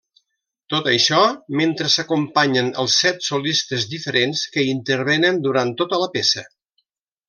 Tot això, mentre s'acompanyen els set solistes diferents que intervenen durant tota la peça.